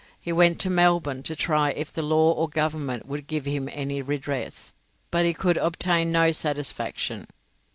He went to Melbourne to try if the law or the Government would give him any redress, but he could obtain no satisfaction.